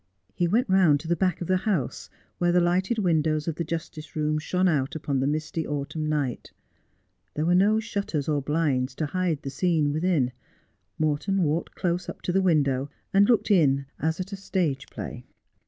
He went round to the back of the house where the lighted windows of the justice room shone out upon the misty autumn night. There were no shutters or blinds to hide the scene within. Morton walked close up to the window, and looked in as at a stage play.